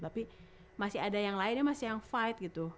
tapi masih ada yang lainnya masih yang fight gitu